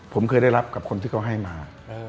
ผมเคยได้รับกับคนที่เขาให้มา